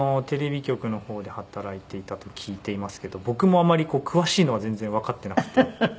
テレビ局の方で働いていたと聞いていますけど僕もあまり詳しいのは全然わかってなくて。